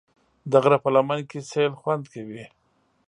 د غره په لمن کې سیل خوند کوي.